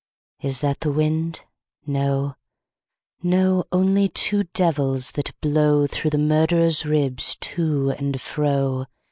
Is that the wind ? No, no ; Only two devils, that blow Through the murderer's ribs to and fro.